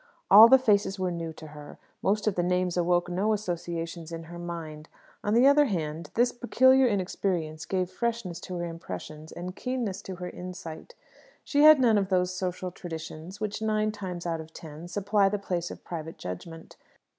All the faces were new to her, most of the names awoke no associations in her mind. On the other hand, this peculiar inexperience gave freshness to her impressions and keenness to her insight. She had none of those social traditions which, nine times out of ten, supply the place of private judgment.